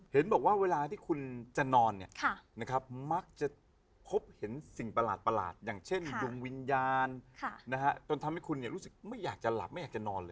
เห็นบอกว่าเวลาที่คุณจะนอนมักจะพบเห็นสิ่งประหลาดอย่างเช่นดวงวิญญาณจนทำให้คุณรู้สึกไม่อยากจะหลับไม่อยากจะนอนเลย